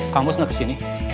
kang mus gak kesini